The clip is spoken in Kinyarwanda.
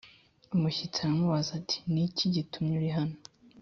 umushyitsi aramubaza ati ni iki gitumye uri hano